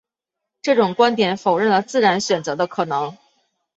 这种观点否认了自然选择的可能。